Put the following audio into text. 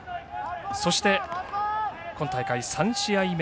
そして、今大会３試合目